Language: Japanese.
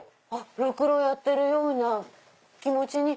ろくろやってるような気持ちに。